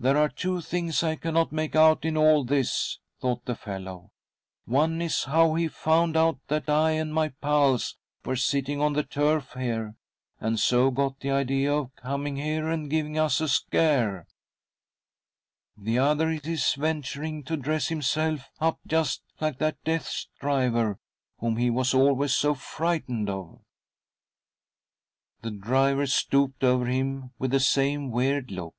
There are two things I cannot make out in all . this»" thought the fellow: " One is how he found out that I and my pals were sitting on the turf here> and so got the idea of coming here and giving us a scare ; the other is his venturing to dress himself up just like that Death's driver whom he was always so frightened of." The driver stooped over him with the same weird look.